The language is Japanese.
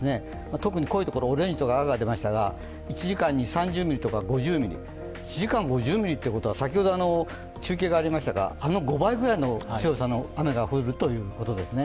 特に濃いところ、オレンジとか赤が出ましたが、１時間に３０ミリとか５０ミリ、５０ミリというのは先ほど中継がありましたが、あの５倍ぐらいの強さの雨が降るということですね。